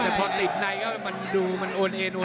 แต่พอติดในก็มันดูมันโอนเอโน